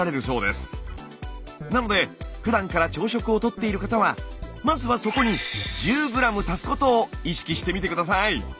なのでふだんから朝食をとっている方はまずはそこに１０ｇ足すことを意識してみて下さい。